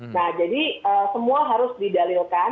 nah jadi semua harus didalilkan